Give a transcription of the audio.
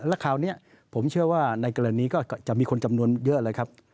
แล้วคราวนี้ผมเชื่อว่าในกรณีก็จะมีคนจำนวนเยอะเลยครับ